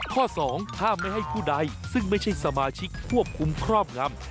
ข้อ๒ห้ามไม่ให้ผู้ใดซึ่งไม่ใช่สมาชิกควบคุมครอบงำ